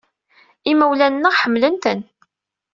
Imawlan-nneɣ ḥemmlen-ten.